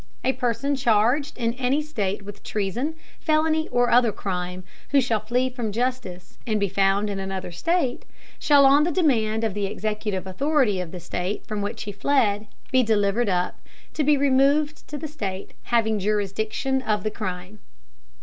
A Person charged in any State with Treason, Felony, or other Crime, who shall flee from Justice, and be found in another State, shall on Demand of the executive Authority of the State from which he fled, be delivered up, to be removed to the State having Jurisdiction of the Crime.